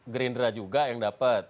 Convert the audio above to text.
gerindra juga yang dapat